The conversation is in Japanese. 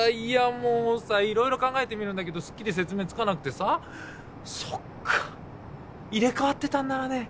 もうさ色々考えてみるんだけどすっきり説明つかなくてさそっか入れ替わってたんならね